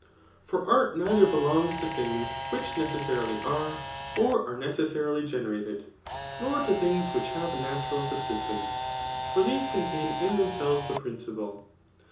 For art neither oelongs to things which necessa rily are, or are necessarily generated, nor to things which have a natural subsistence ; for these contain in them selves the principle.